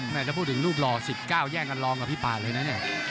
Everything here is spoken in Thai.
ถ้าพูดถึงรูปหล่อ๑๙แย่งกันรองกับพี่ป่าเลยนะเนี่ย